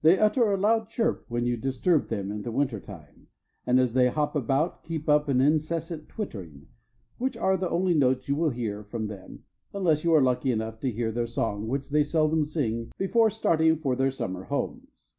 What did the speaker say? They utter a loud chirp when you disturb them in the winter time, and as they hop about keep up an incessant twittering, which are the only notes you will hear from them, unless you are lucky enough to hear their song which they seldom sing before starting for their summer homes.